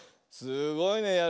すごいね。